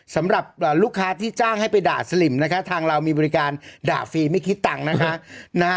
สำหรับลูกค้าที่จ้างให้ไปด่าสลิมนะคะทางเรามีบริการด่าฟรีไม่คิดตังค์นะคะ